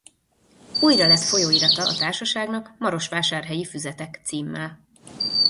Újra lett folyóirata a társaságnak Marosvásárhelyi Füzetek címmel.